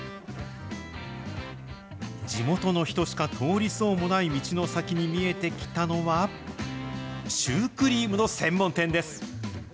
地元の人しか通りそうもない道の先に見えてきたのは、シュークリームの専門店です。